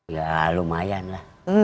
ya lumayan lah